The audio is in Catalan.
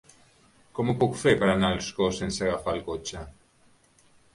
Com ho puc fer per anar a Ascó sense agafar el cotxe?